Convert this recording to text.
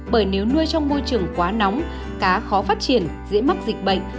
bởi nếu nuôi trong môi trường quá nóng cá khó phát triển dễ mắc dịch bệnh